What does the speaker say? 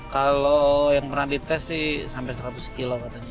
kalo yang pernah di tes sih sampai seratus kilo katanya